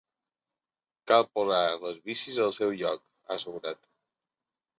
Cal posar les bicis al seu lloc, ha assegurat.